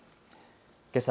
けさ